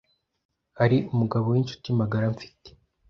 Hari umugabo w’inshuti magara mfite